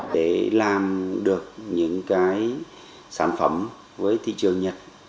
để làm được những cái sản phẩm với thị trường nhật